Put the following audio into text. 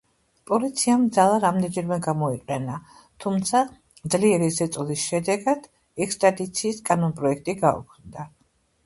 პოლიციამ ძალა რამდენჯერმე გამოიყენა, თუმცა ძლიერი ზეწოლის შედეგად, ექსტრადიციის კანონპროექტი გაუქმდა.